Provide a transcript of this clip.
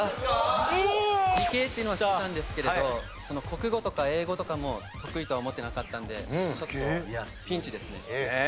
理系っていうのは知ってたんですけれど国語とか英語とかも得意とは思ってなかったのでちょっとピンチですね。